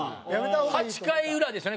８回裏ですよね。